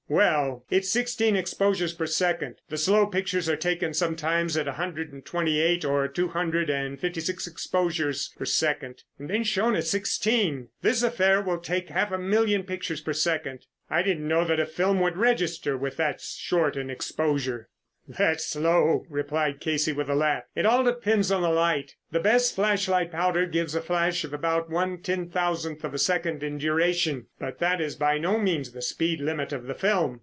Well, it's sixteen exposures per second. The slow pictures are taken sometimes at a hundred and twenty eight or two hundred and fifty six exposures per second, and then shown at sixteen. This affair will take half a million pictures per second." "I didn't know that a film would register with that short an exposure." "That's slow," replied Casey with a laugh. "It all depends on the light. The best flash light powder gives a flash about one ten thousandth of a second in duration, but that is by no means the speed limit of the film.